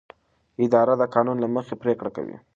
اداره د قانون له مخې پریکړه کوي.